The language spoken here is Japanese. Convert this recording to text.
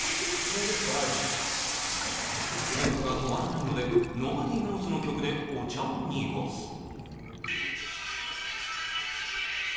文句が止まらないのでｎｏｂｏｄｙｋｎｏｗｓ＋の曲でお茶を濁すＥＮＪＯＹ